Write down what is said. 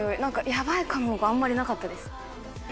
「ヤバいかも」があんまりなかったです。